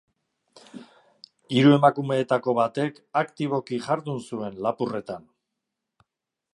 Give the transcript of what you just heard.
Hiru emakumeetako batek aktiboki jardun zuen lapurretan.